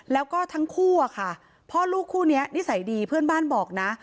แล้วก็ทั้งคู่อะค่ะพ่อลูกคู่นี้นิสัยดีเพื่อนบ้านบอกนะ